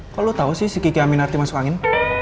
kok lo tau sih si kiki aminarti masuk angin